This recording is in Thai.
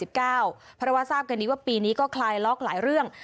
เพราะว่าทราบกันดีว่าปีนี้ก็คลายล็อกหลายเรื่อง